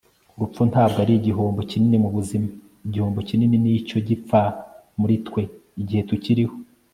urupfu ntabwo ari igihombo kinini mu buzima igihombo kinini ni cyo gipfa muri twe igihe tukiriho